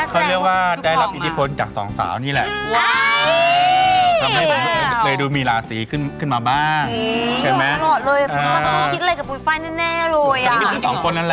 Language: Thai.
เขาเรียกว่าได้รับอิทธิพลจากสองสาวนี่แหละ